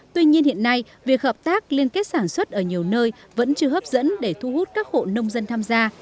tuy nhiên hiện nay việc hợp tác liên kết sản xuất ở nhiều nơi vẫn chưa hấp dẫn để thu hút các hộ nông dân tham gia